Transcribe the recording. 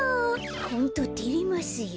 ホントてれますよ。